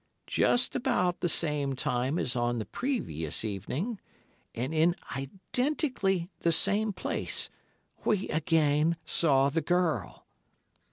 Just about the same time as on the previous evening, and in identically the same place, we again saw the girl.